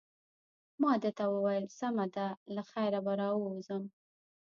ما ده ته وویل: سمه ده، له خیره به راووځم.